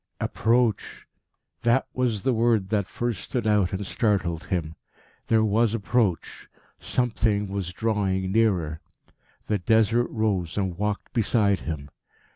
Approach! that was the word that first stood out and startled him. There was approach; something was drawing nearer. The Desert rose and walked beside him.